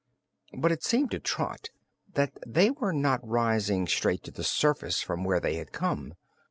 But it seemed to Trot that they were not rising straight to the surface from where they had come.